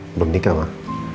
belum nikah mah